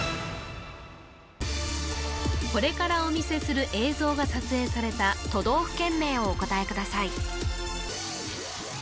これからお見せする映像が撮影された都道府県名をお答えください